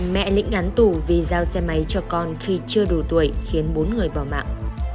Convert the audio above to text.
mẹ lĩnh án tù vì giao xe máy cho con khi chưa đủ tuổi khiến bốn người bỏ mạng